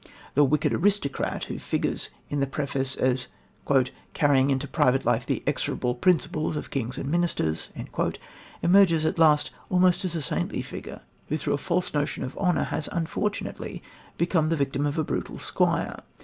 The "wicked aristocrat" who figures in the preface as "carrying into private life the execrable principles of kings and ministers" emerges at last almost as a saintly figure, who through a false notion of honour has unfortunately become the victim of a brutal squire.